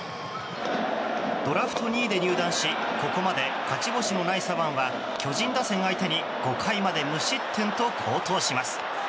ドラフト２位で入団しここまで勝ち星のない左腕は巨人打線相手に５回まで無失点と好投します。